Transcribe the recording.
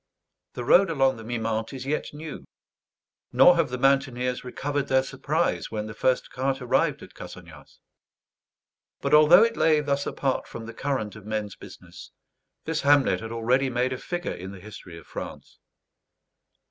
The road along the Mimente is yet new, nor have the mountaineers recovered their surprise when the first cart arrived at Cassagnas. But although it lay thus apart from the current of men's business, this hamlet had already made a figure in the history of France.